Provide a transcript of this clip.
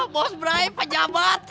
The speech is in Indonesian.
bos brai pejabat